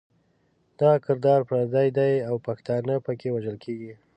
دغه کردار پردی دی او پښتانه پکې وژل کېږي.